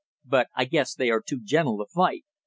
But I guess they are too gentle to fight."